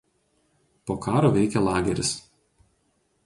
Po karo veikė lageris.